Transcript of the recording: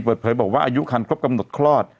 เปิดเผยบอกว่าอายุคันครบกำหนดคลอด